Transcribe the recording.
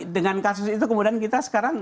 dengan kasus itu kemudian kita sekarang